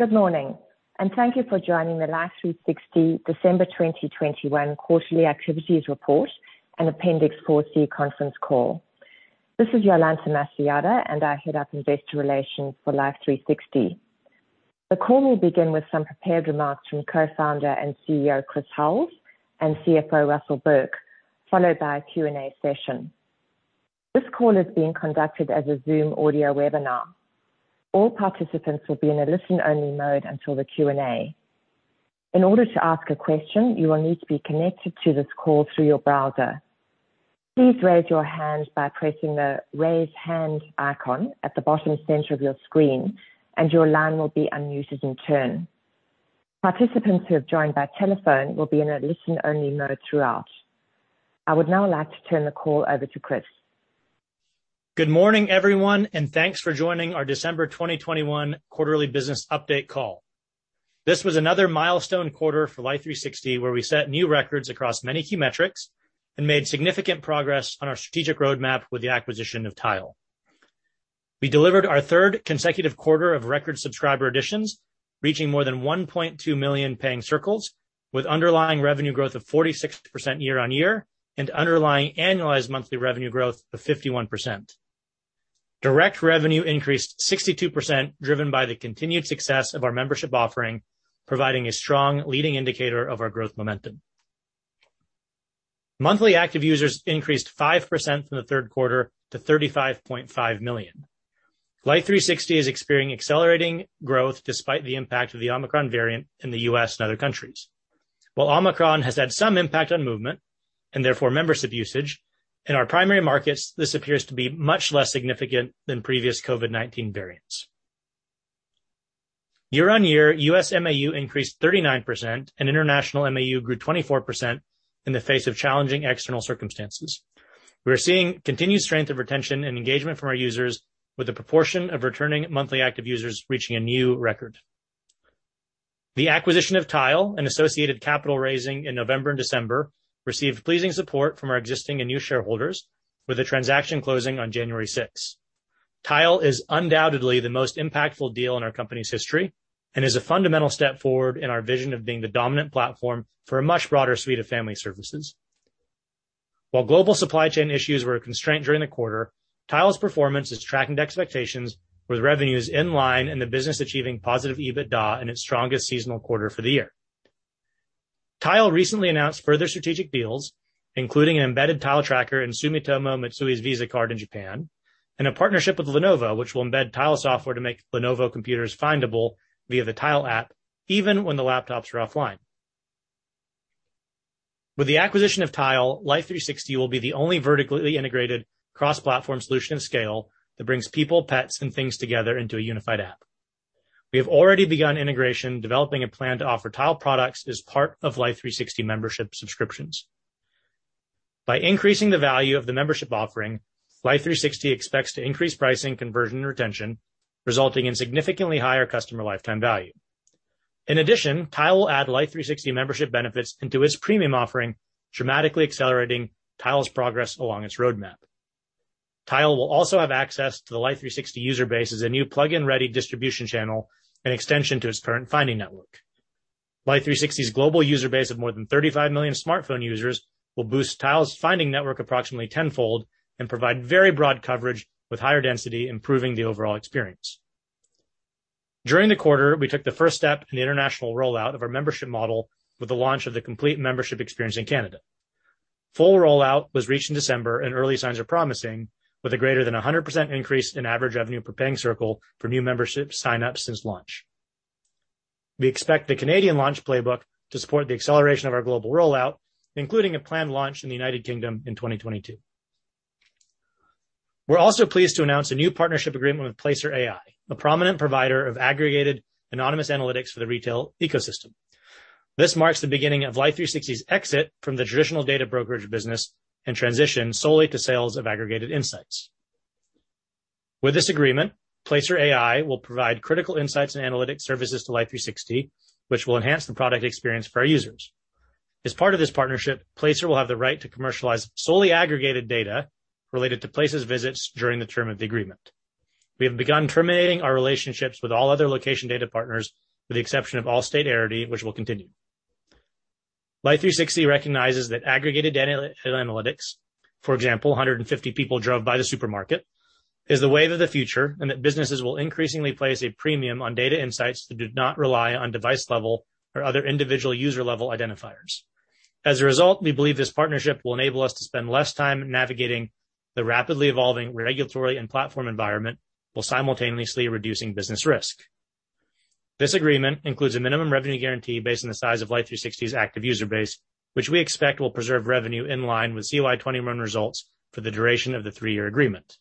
Good morning, and thank you for joining the Life360 December 2021 Quarterly Activities Report and Appendix 4C Conference Call. This is Jolanta Masojada, and I head up investor relations for Life360. The call will begin with some prepared remarks from Co-Founder and CEO, Chris Hulls, and CFO, Russell Burke, followed by a Q&A session. This call is being conducted as a Zoom audio webinar. All participants will be in a listen-only mode until the Q&A. In order to ask a question, you will need to be connected to this call through your browser. Please raise your hand by pressing the Raise Hand icon at the bottom center of your screen, and your line will be unmuted in turn. Participants who have joined by telephone will be in a listen-only mode throughout. I would now like to turn the call over to Chris. Good morning, everyone, and thanks for joining our December 2021 quarterly business update call. This was another milestone quarter for Life360, where we set new records across many key metrics and made significant progress on our strategic roadmap with the acquisition of Tile. We delivered our third consecutive quarter of record subscriber additions, reaching more than 1.2 million paying circles, with underlying revenue growth of 46% year-over-year and underlying annualized monthly revenue growth of 51%. Direct revenue increased 62%, driven by the continued success of our membership offering, providing a strong leading indicator of our growth momentum. Monthly active users increased 5% from the third quarter to 35.5 million. Life360 is experiencing accelerating growth despite the impact of the Omicron variant in the U.S. and other countries. While Omicron has had some impact on movement, and therefore membership usage, in our primary markets, this appears to be much less significant than previous COVID-19 variants. Year on year, U.S. MAU increased 39% and international MAU grew 24% in the face of challenging external circumstances. We are seeing continued strength of retention and engagement from our users with the proportion of returning monthly active users reaching a new record. The acquisition of Tile and associated capital raising in November and December received pleasing support from our existing and new shareholders with a transaction closing on January 6th. Tile is undoubtedly the most impactful deal in our company's history and is a fundamental step forward in our vision of being the dominant platform for a much broader suite of family services. While global supply chain issues were a constraint during the quarter, Tile's performance is tracking to expectations with revenues in line and the business achieving positive EBITDA in its strongest seasonal quarter for the year. Tile recently announced further strategic deals, including an embedded Tile tracker in Sumitomo Mitsui's Visa card in Japan and a partnership with Lenovo, which will embed Tile software to make Lenovo computers findable via the Tile app even when the laptops are offline. With the acquisition of Tile, Life360 will be the only vertically integrated cross-platform solution of scale that brings people, pets, and things together into a unified app. We have already begun integration, developing a plan to offer Tile products as part of Life360 membership subscriptions. By increasing the value of the membership offering, Life360 expects to increase pricing, conversion, and retention, resulting in significantly higher customer lifetime value. In addition, Tile will add Life360 membership benefits into its premium offering, dramatically accelerating Tile's progress along its roadmap. Tile will also have access to the Life360 user base as a new plugin-ready distribution channel in extension to its current finding network. Life360's global user base of more than 35 million smartphone users will boost Tile's finding network approximately tenfold and provide very broad coverage with higher density, improving the overall experience. During the quarter, we took the first step in the international rollout of our membership model with the launch of the complete membership experience in Canada. Full rollout was reached in December, and early signs are promising, with a greater than 100% increase in average revenue per paying circle from new membership signups since launch. We expect the Canadian launch playbook to support the acceleration of our global rollout, including a planned launch in the United Kingdom in 2022. We're also pleased to announce a new partnership agreement with Placer.ai, a prominent provider of aggregated anonymous analytics for the retail ecosystem. This marks the beginning of Life360's exit from the traditional data brokerage business and transition solely to sales of aggregated insights. With this agreement, Placer.ai will provide critical insights and analytics services to Life360, which will enhance the product experience for our users. As part of this partnership, Placer.ai will have the right to commercialize solely aggregated data related to Places visits during the term of the agreement. We have begun terminating our relationships with all other location data partners, with the exception of Allstate and Arity, which will continue. Life360 recognizes that aggregated data and analytics, for example, 150 people drove by the supermarket, is the wave of the future and that businesses will increasingly place a premium on data insights that do not rely on device-level or other individual user-level identifiers. As a result, we believe this partnership will enable us to spend less time navigating the rapidly evolving regulatory and platform environment while simultaneously reducing business risk. This agreement includes a minimum revenue guarantee based on the size of Life360's active user base, which we expect will preserve revenue in line with CY 2021 results for the duration of the 3-year agreement.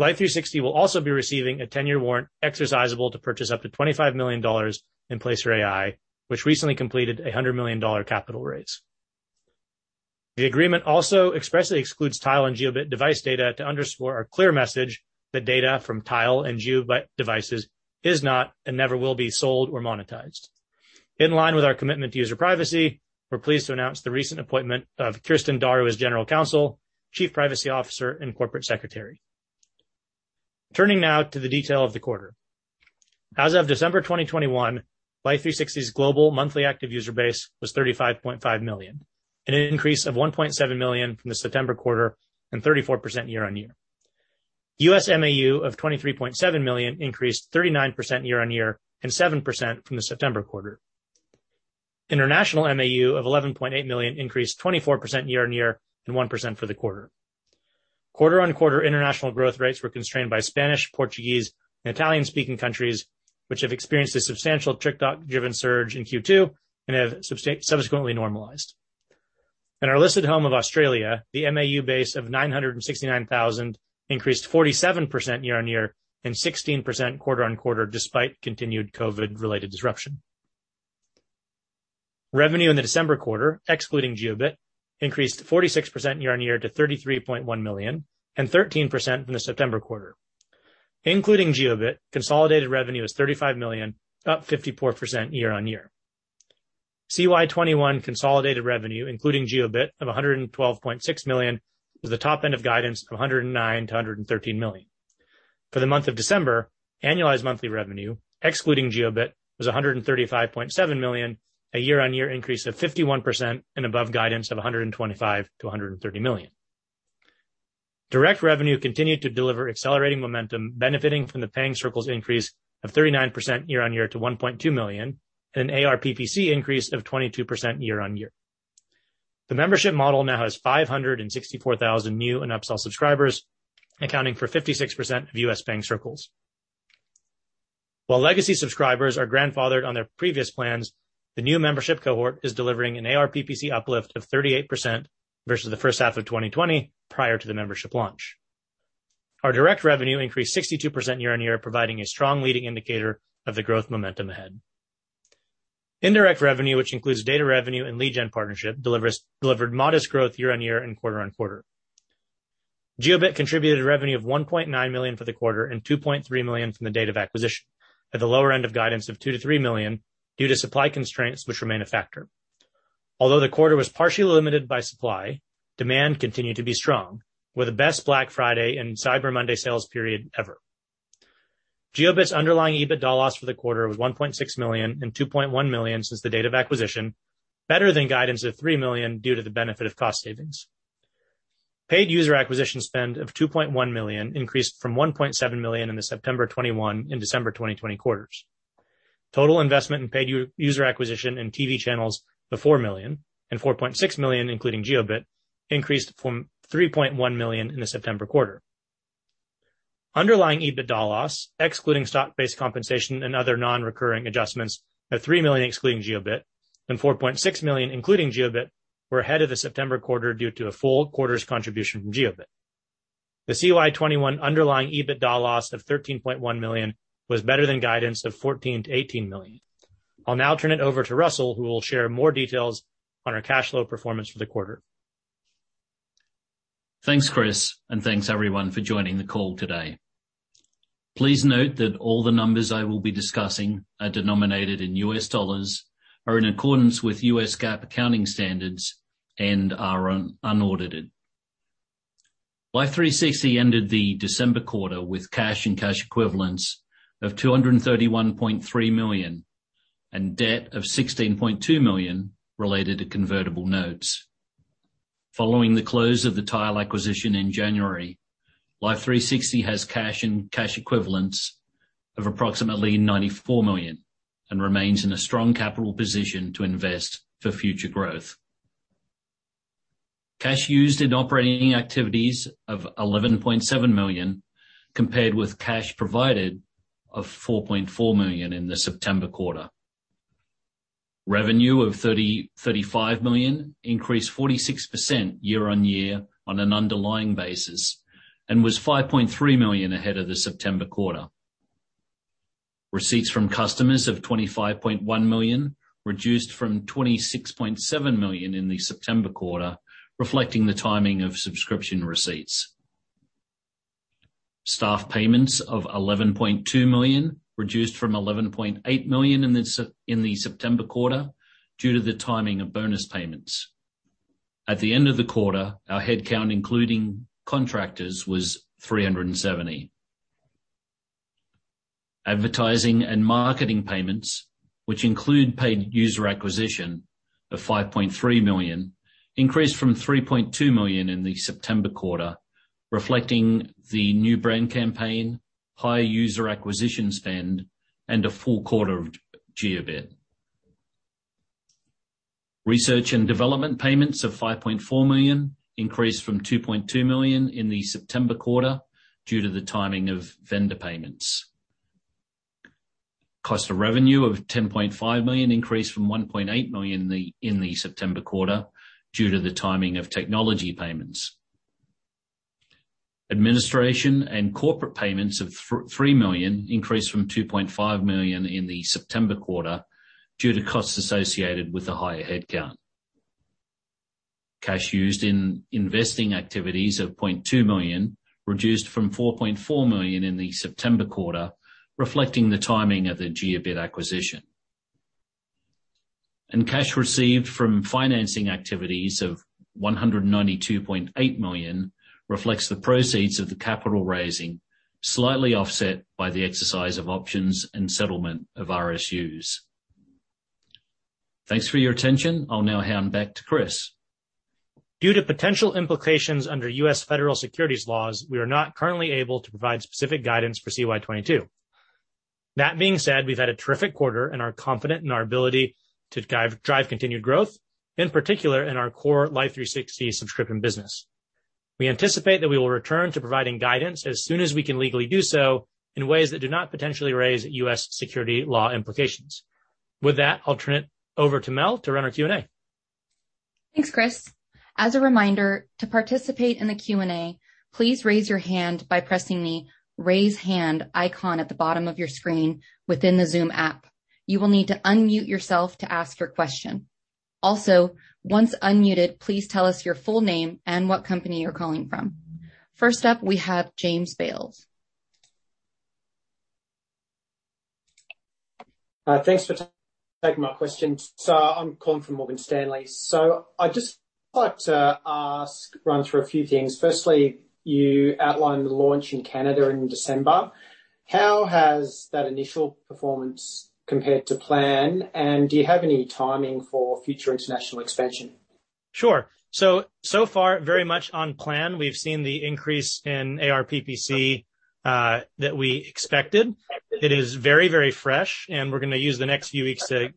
Life360 will also be receiving a 10-year warrant exercisable to purchase up to $25 million in Placer.ai, which recently completed a $100 million capital raise. The agreement also expressly excludes Tile and Jiobit device data to underscore our clear message that data from Tile and Jiobit devices is not and never will be sold or monetized. In line with our commitment to user privacy. We're pleased to announce the recent appointment of Kirsten Daru as General Counsel, Chief Privacy Officer, and Corporate Secretary. Turning now to the details of the quarter. As of December 2021, Life360's global monthly active user base was 35.5 million, an increase of 1.7 million from the September quarter and 34% year-on-year. U.S. MAU of 23.7 million increased 39% year-on-year and 7% from the September quarter. International MAU of 11.8 million increased 24% year-on-year and 1% for the quarter. Quarter-on-quarter international growth rates were constrained by Spanish, Portuguese, and Italian-speaking countries, which have experienced a substantial TikTok-driven surge in Q2 and have subsequently normalized. In our listed home of Australia, the MAU base of 969,000 increased 47% year-on-year and 16% quarter-on-quarter, despite continued COVID-related disruption. Revenue in the December quarter, excluding Jiobit, increased 46% year-on-year to $33.1 million and 13% from the September quarter. Including Jiobit, consolidated revenue is $35 million, up 54% year-on-year. CY 2021 consolidated revenue, including Jiobit of $112.6 million, was the top end of guidance of $109-$113 million. For the month of December, annualized monthly revenue, excluding Jiobit, was $135.7 million, a year-on-year increase of 51% and above guidance of $125 million-$130 million. Direct revenue continued to deliver accelerating momentum, benefiting from the paying circles increase of 39% year-on-year to 1.2 million and an ARPPC increase of 22% year-on-year. The membership model now has 564,000 new and upsell subscribers, accounting for 56% of U.S. paying circles. While legacy subscribers are grandfathered on their previous plans, the new membership cohort is delivering an ARPPC uplift of 38% versus the first half of 2020 prior to the membership launch. Our direct revenue increased 62% year-on-year, providing a strong leading indicator of the growth momentum ahead. Indirect revenue, which includes data revenue and lead gen partnership, delivered modest growth year-on-year and quarter-on-quarter. Jiobit contributed revenue of $1.9 million for the quarter and $2.3 million from the date of acquisition, at the lower end of guidance of $2-$3 million due to supply constraints which remain a factor. Although the quarter was partially limited by supply, demand continued to be strong, with the best Black Friday and Cyber Monday sales period ever. Jiobit's underlying EBITDA loss for the quarter was $1.6 million and $2.1 million since the date of acquisition, better than guidance of $3 million due to the benefit of cost savings. Paid user acquisition spend of $2.1 million increased from $1.7 million in the September 2021 and December 2020 quarters. Total investment in paid user acquisition and TV channels of $4 million and $4.6 million, including Jiobit, increased from $3.1 million in the September quarter. Underlying EBITDA loss, excluding stock-based compensation and other non-recurring adjustments of $3 million excluding Jiobit and $4.6 million including Jiobit, were ahead of the September quarter due to a full quarter's contribution from Jiobit. The CY 2021 underlying EBITDA loss of $13.1 million was better than guidance of $14 million-$18 million. I'll now turn it over to Russell, who will share more details on our cash flow performance for the quarter. Thanks, Chris, and thanks everyone for joining the call today. Please note that all the numbers I will be discussing are denominated in U.S. dollars, are in accordance with U.S. GAAP accounting standards, and are unaudited. Life360 ended the December quarter with cash and cash equivalents of $231.3 million and debt of $16.2 million related to convertible notes. Following the close of the Tile acquisition in January, Life360 has cash and cash equivalents of approximately $94 million and remains in a strong capital position to invest for future growth. Cash used in operating activities of $11.7 million compared with cash provided of $4.4 million in the September quarter. Revenue of $35 million increased 46% year-on-year on an underlying basis and was $5.3 million ahead of the September quarter. Receipts from customers of $25.1 million reduced from $26.7 million in the September quarter, reflecting the timing of subscription receipts. Staff payments of $11.2 million reduced from $11.8 million in the September quarter due to the timing of bonus payments. At the end of the quarter, our headcount, including contractors, was 370. Advertising and marketing payments, which include paid user acquisition of $5.3 million, increased from $3.2 million in the September quarter, reflecting the new brand campaign, higher user acquisition spend, and a full quarter of Jiobit. Research and development payments of $5.4 million increased from $2.2 million in the September quarter due to the timing of vendor payments. Cost of revenue of $10.5 million increased from $1.8 million in the September quarter due to the timing of technology payments. Administration and corporate payments of $3 million increased from $2.5 million in the September quarter due to costs associated with the higher headcount. Cash used in investing activities of $0.2 million, reduced from $4.4 million in the September quarter, reflecting the timing of the Jiobit acquisition. Cash received from financing activities of $192.8 million reflects the proceeds of the capital raising, slightly offset by the exercise of options and settlement of RSUs. Thanks for your attention. I'll now hand back to Chris. Due to potential implications under U.S. federal securities laws, we are not currently able to provide specific guidance for CY 2022. That being said, we've had a terrific quarter and are confident in our ability to drive continued growth, in particular in our core Life360 subscription business. We anticipate that we will return to providing guidance as soon as we can legally do so in ways that do not potentially raise U.S. securities law implications. With that, I'll turn it over to Mel to run our Q&A. Thanks, Chris. As a reminder, to participate in the Q&A, please raise your hand by pressing the Raise Hand icon at the bottom of your screen within the Zoom app. You will need to unmute yourself to ask your question. Also, once unmuted, please tell us your full name and what company you're calling from. First up, we have James Bales. Thanks for taking my question. I'm calling from Morgan Stanley. I just would like to run through a few things. Firstly, you outlined the launch in Canada in December. How has that initial performance compared to plan, and do you have any timing for future international expansion? So far, very much on plan. We've seen the increase in ARPPC that we expected. It is very, very fresh, and we're gonna use the next few weeks to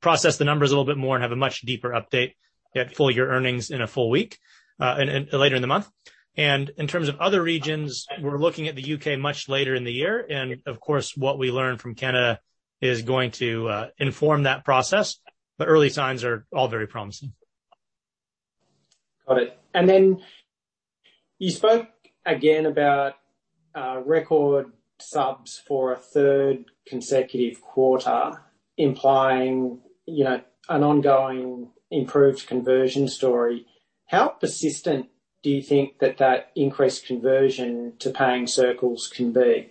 process the numbers a little bit more and have a much deeper update at full year earnings in a few weeks in later in the month. In terms of other regions, we're looking at the U.K. much later in the year, and of course, what we learn from Canada is going to inform that process, but early signs are all very promising. Got it. You spoke again about record subs for a third consecutive quarter, implying, you know, an ongoing improved conversion story. How persistent do you think that increased conversion to paying circles can be?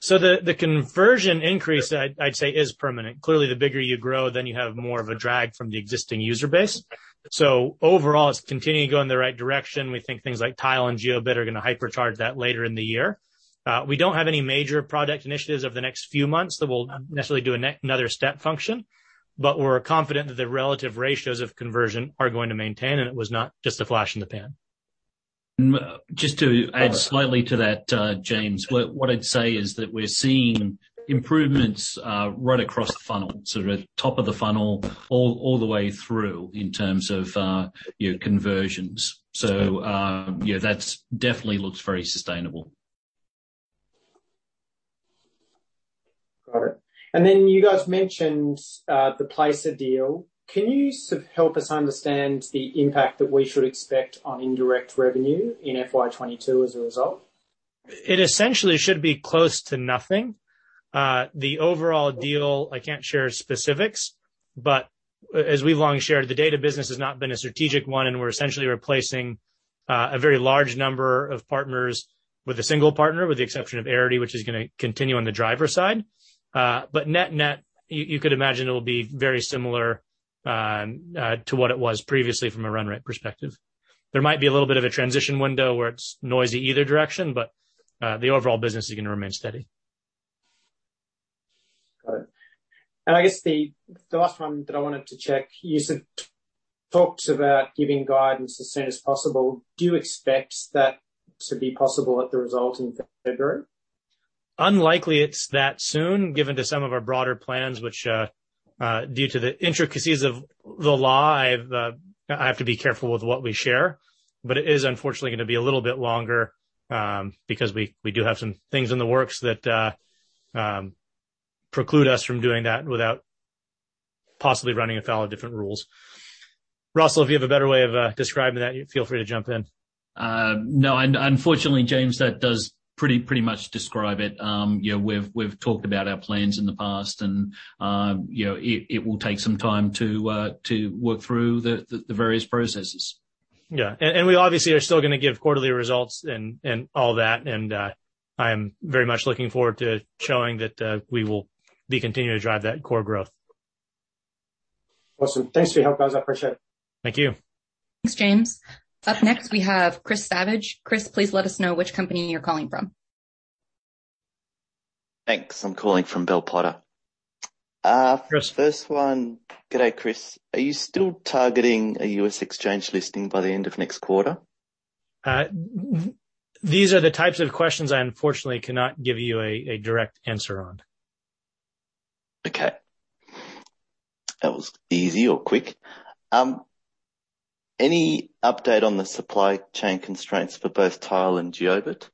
The conversion increase I'd say is permanent. Clearly, the bigger you grow, then you have more of a drag from the existing user base. Overall, it's continuing to go in the right direction. We think things like Tile and Jiobit are gonna hypercharge that later in the year. We don't have any major product initiatives over the next few months that will necessarily do another step function, but we're confident that the relative ratios of conversion are going to maintain, and it was not just a flash in the pan. Just to add slightly to that, James. What I'd say is that we're seeing improvements right across the funnel, sort of at top of the funnel all the way through in terms of you know, conversions. Yeah, that's definitely looks very sustainable. Got it. You guys mentioned the Placer.ai deal. Can you sort of help us understand the impact that we should expect on indirect revenue in FY 2022 as a result? It essentially should be close to nothing. The overall deal, I can't share specifics, but as we've long shared, the data business has not been a strategic one, and we're essentially replacing a very large number of partners with a single partner, with the exception of Arity, which is gonna continue on the driver side. Net-net, you could imagine it will be very similar to what it was previously from a run rate perspective. There might be a little bit of a transition window where it's noisy either direction, but the overall business is gonna remain steady. Got it. I guess the last one that I wanted to check, you sort of talked about giving guidance as soon as possible. Do you expect that to be possible at the result in February? Unlikely it's that soon, given our broader plans which, due to the intricacies of the live, I have to be careful with what we share. It is unfortunately gonna be a little bit longer, because we do have some things in the works that preclude us from doing that without possibly running afoul of different rules. Russell, if you have a better way of describing that, feel free to jump in. No. Unfortunately, James, that does pretty much describe it. You know, we've talked about our plans in the past and, you know, it will take some time to work through the various processes. Yeah, we obviously are still gonna give quarterly results and all that. I am very much looking forward to showing that we will be continuing to drive that core growth. Awesome. Thanks for your help, guys. I appreciate it. Thank you. Thanks, James. Up next, we have Chris Savage. Chris, please let us know which company you're calling from. Thanks. I'm calling from Bell Potter. Chris. First one. Good day, Chris. Are you still targeting a U.S. exchange listing by the end of next quarter? These are the types of questions I unfortunately cannot give you a direct answer on. Okay. That was easy or quick. Any update on the supply chain constraints for both Tile and Jiobit?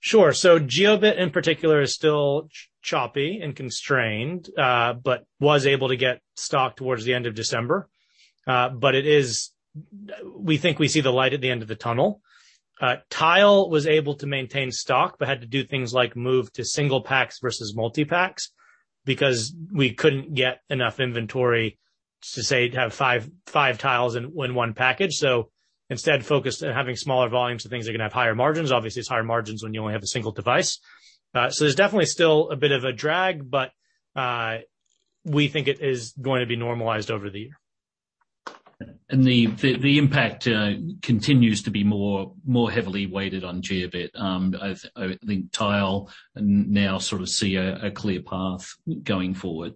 Sure. Jiobit in particular is still choppy and constrained, but was able to get stock towards the end of December. It is. We think we see the light at the end of the tunnel. Tile was able to maintain stock but had to do things like move to single packs versus multi-packs. We couldn't get enough inventory to have five tiles in one package. Instead, focused on having smaller volumes of things that are gonna have higher margins. Obviously, it's higher margins when you only have a single device. There's definitely still a bit of a drag, but we think it is going to be normalized over the year. The impact continues to be more heavily weighted on Jiobit. I think Tile now sort of see a clear path going forward.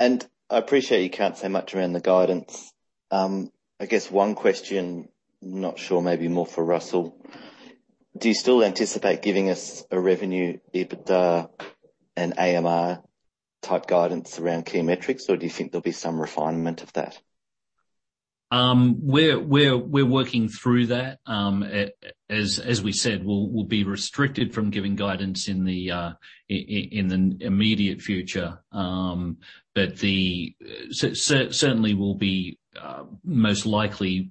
Okay. I appreciate you can't say much around the guidance. I guess one question, not sure, maybe more for Russell. Do you still anticipate giving us a revenue, EBITDA, and AMR-type guidance around key metrics, or do you think there'll be some refinement of that? We're working through that. As we said, we'll be restricted from giving guidance in the immediate future. Certainly we'll be most likely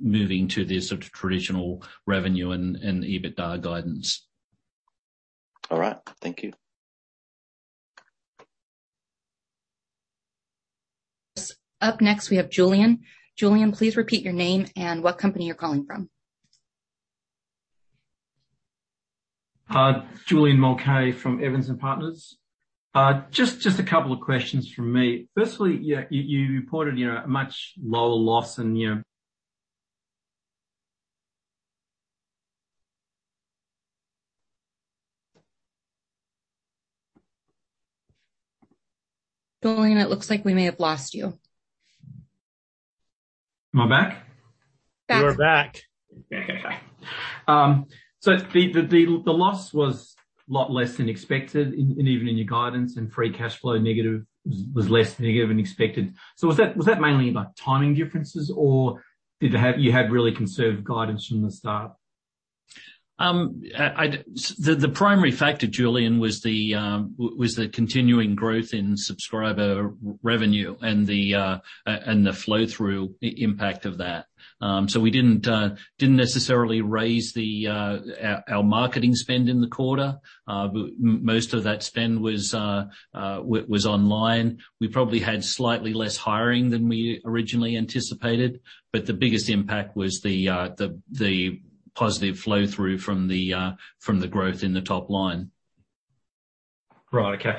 moving to the sort of traditional revenue and EBITDA guidance. All right. Thank you. Up next, we have Julian. Julian, please repeat your name and what company you're calling from. Julian Mulcahy from Evans & Partners. Just a couple of questions from me. Firstly, yeah, you reported, you know, a much lower loss and, you know. Julian, it looks like we may have lost you. Am I back? Back. You're back. The loss was a lot less than expected, and even in your guidance and free cash flow negative was less than you even expected. Was that mainly about timing differences, or you had really conservative guidance from the start? The primary factor, Julian, was the continuing growth in subscriber revenue and the flow through impact of that. We didn't necessarily raise our marketing spend in the quarter. Most of that spend was online. We probably had slightly less hiring than we originally anticipated, but the biggest impact was the positive flow through from the growth in the top line. Right. Okay.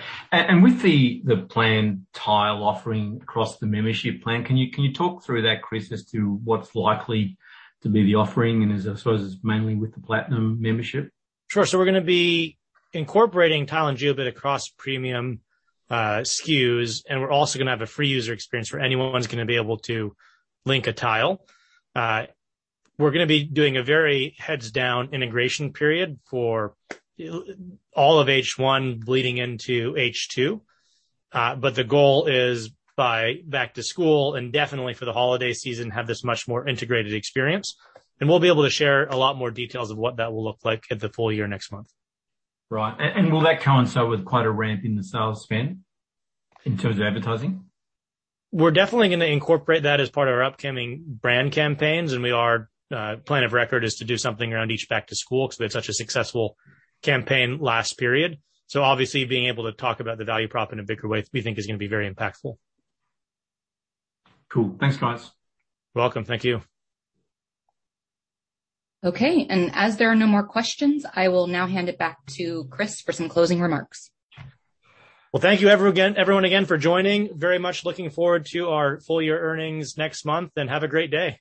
With the planned Tile offering across the membership plan, can you talk through that, Chris, as to what's likely to be the offering? Is it mainly with the platinum membership, I suppose? Sure. We're gonna be incorporating Tile and Jiobit across premium SKUs, and we're also gonna have a free user experience where anyone's gonna be able to link a Tile. We're gonna be doing a very heads down integration period for all of H1 bleeding into H2. But the goal is by back to school and definitely for the holiday season, have this much more integrated experience. We'll be able to share a lot more details of what that will look like at the full year next month. Right. Will that coincide with quite a ramp in the sales spend in terms of advertising? We're definitely gonna incorporate that as part of our upcoming brand campaigns, and our plan of record is to do something around each back to school because we had such a successful campaign last period. Obviously being able to talk about the value prop in a bigger way, we think is gonna be very impactful. Cool. Thanks, guys. You're welcome. Thank you. Okay. As there are no more questions, I will now hand it back to Chris for some closing remarks. Well, thank you everyone again for joining. Very much looking forward to our full year earnings next month. Have a great day.